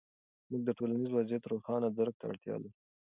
موږ د ټولنیز وضعیت روښانه درک ته اړتیا لرو.